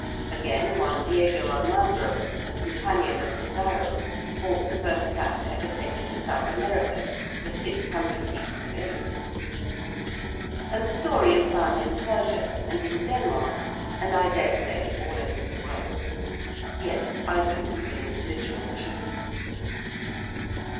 Again, one Diego Almagro, a companion of Pizarro, bought the first cat ever taken to South America for 600 pieces of eight. And the story is found in Persia and in Denmark, and I dare say all over the world. Yet I believe in its literal truth.